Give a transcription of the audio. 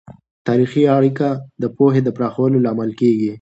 تاریخي اړیکه د پوهې د پراخولو لامل کیږي.